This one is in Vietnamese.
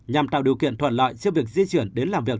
nhằm tạo điều kiện thuận lợi cho việc di chuyển đến làm việc